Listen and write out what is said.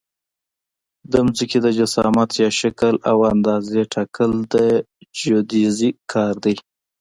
د ځمکې د جسامت یا شکل او اندازې ټاکل د جیودیزي کار دی